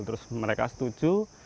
terus mereka setuju